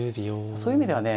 そういう意味ではね